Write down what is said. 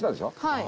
はい。